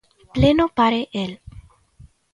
Pleno pare el.